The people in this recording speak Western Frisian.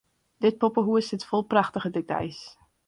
Dit poppehûs sit fol prachtige details.